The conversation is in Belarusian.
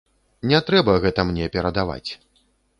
Не трэба гэта мне перадаваць.